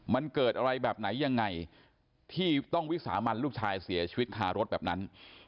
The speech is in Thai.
มันเกิดอะไรแบบไหนยังไงที่ต้องวิสามันลูกชายเสียชีวิตคารถแบบนั้น